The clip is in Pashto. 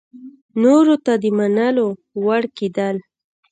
نورو ته د منلو وړ کېدل